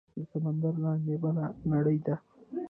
د سمندر لاندې بله نړۍ ده